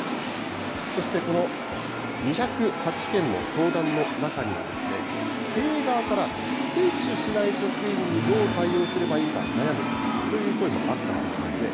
そして、この２０８件の相談の中には、経営側から、接種しない職員にどう対応すればいいか悩むという声もあったそうなんですね。